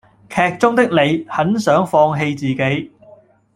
劇中的李很想放棄自己